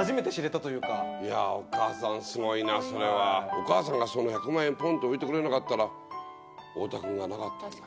お母さんがその１００万円ポンッて置いてくれなかったら太田君がなかったんだね。